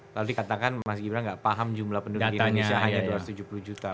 lalu dikatakan mas gibran nggak paham jumlah penduduk di indonesia hanya dua ratus tujuh puluh juta